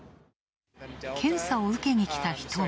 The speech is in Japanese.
検査を受けに来た人は。